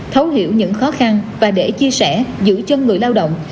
thấu hiểu những khó khăn và để chia sẻ giữ chân người lao động